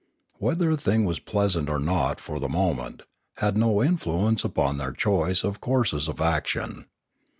Whether a thing was pleasant or not for the moment, had no influence upon their choice of courses of action.